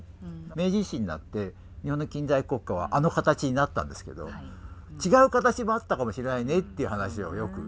明治維新になって日本の近代国家はあの形になったんですけど違う形もあったかもしれないねっていう話をよく。